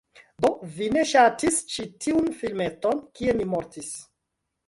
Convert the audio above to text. Do, se vi ŝatis ĉi tiun filmeton kie mi mortis